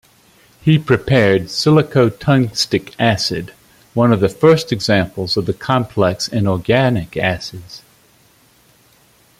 He prepared silicotungstic acid, one of the first examples of the complex inorganic acids.